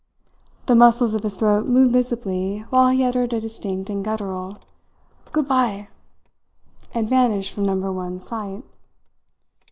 The muscles of his throat moved visibly while he uttered a distinct and guttural "Goodbye" and vanished from Number One's sight.